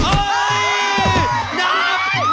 โหนำเนินกันทีนาย